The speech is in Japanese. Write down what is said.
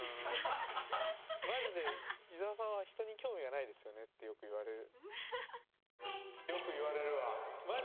マジで「伊沢さんは人に興味がないですよね」ってよく言われる。